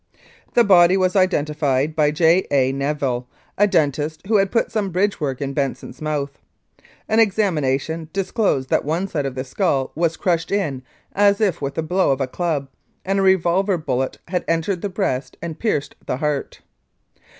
"The body was identified by J. A. Neville, a dentist, who had put some bridgework in Benson's mouth. An examination disclosed that one side of the skull was crushed in as if with the blow of a club, and a revolver bullet had entered the breast and pierced the heart.